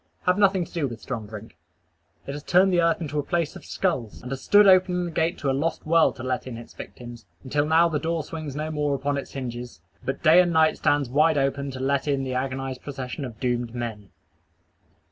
Have nothing to do with strong drink. It has turned the earth into a place of skulls, and has stood opening the gate to a lost world to let in its victims, until now the door swings no more upon its hinges, but day and night stands wide open to let in the agonized procession of doomed men.